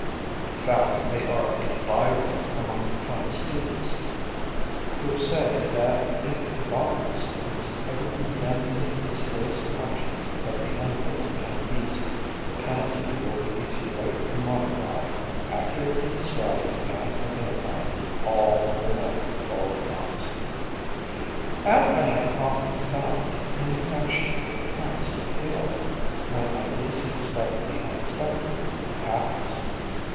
In fact, they are a byword among plant students, who say that if a botanist is ever condemned to the severest punish ment that the underworld can mete, the penalty will be to write a monograph, accurately describing and identifying all the known Goldenrods. As I have often found, in connection with tramps afield, when I least expect the unexpected, it happens.